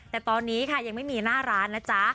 แต่ตอนนี้ค่ะยังไม่มีหน้าร้านนะจ๊ะ